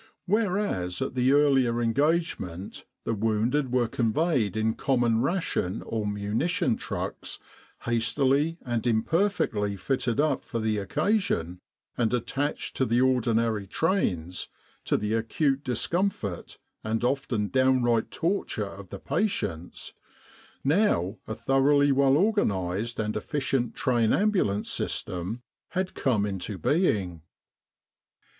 Whereas at the earlier engagement the wounded were conveyed in common ration or munition trucks hastily and imperfectly fitted up for the occasion, and attached to the ordinary trains, to the acute discom fort, and often downright torture of the patients, now a thoroughly well organised and efficient train ambu lance system had come into being.